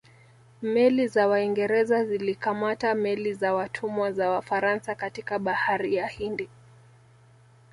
Meli za Waingereza zilikamata meli za watumwa za Wafaransa katika bahari ya Hindi